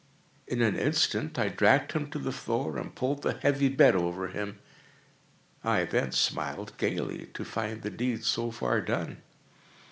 In an instant I dragged him to the floor, and pulled the heavy bed over him. I then smiled gaily, to find the deed so far done.